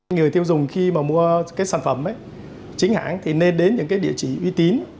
người tiêu dùng khi mà mua cái sản phẩm chính hãng thì nên đến những cái địa chỉ uy tín